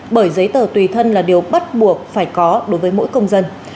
bởi giấy tờ tùy thân là điều bắt buộc phải có đối với mỗi công dân